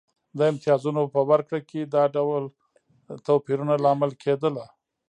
د امتیازونو په ورکړه کې دا ډول توپیرونه لامل کېده.